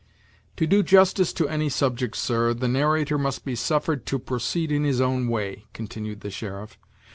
"To do justice to any subject, sir, the narrator must be suffered to proceed in his own way," continued the sheriff.